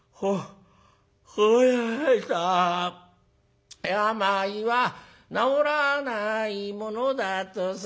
「惚れた病は治らないものだとさ」